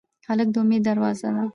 هلک د امید دروازه ده.